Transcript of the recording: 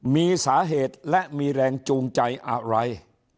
มีสาเหตุและมีแรงจูงใจอะไร